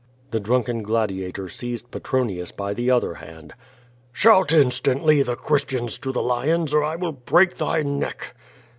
The drunken gladiator seized Petronius by the other hand. "Shout instantly The Christians to the lions!' or I will break thy neck."